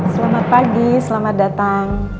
selamat pagi selamat datang